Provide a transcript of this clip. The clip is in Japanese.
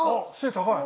高い！